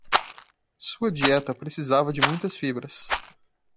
Sua dieta precisava de muitas fibras